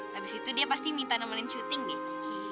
habis itu dia pasti minta namain syuting deh